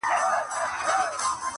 نه حیا له رقیبانو نه سیالانو-